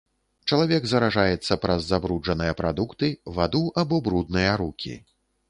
Чалавек заражаецца праз забруджаныя прадукты, ваду або брудныя рукі.